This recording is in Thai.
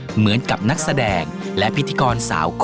เหมือนกับนักแสดงและพิธีกรสาวก็